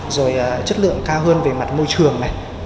rồi chất lượng cao hơn về mặt môi trường